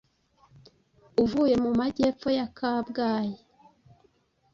uvuye mu majyepfo ya Kabgayi;